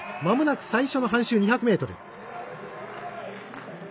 まもなく最初の半周２００ｍ。